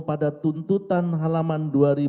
pada tuntutan halaman dua ribu tiga ratus lima puluh lima